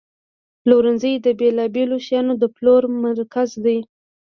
پلورنځی د بیلابیلو شیانو د پلور مرکز دی.